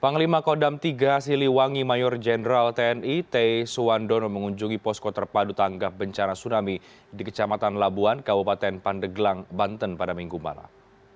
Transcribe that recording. panglima kodam tiga siliwangi mayor jenderal tni t suwandono mengunjungi posko terpadu tanggap bencana tsunami di kecamatan labuan kabupaten pandeglang banten pada minggu malam